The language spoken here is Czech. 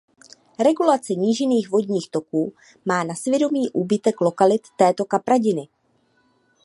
Regulace nížinných vodních toků má na svědomí úbytek lokalit této kapradiny.